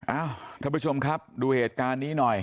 เอ้าท่านผู้ชมครับดูเหตุการณ์นี้หน่อย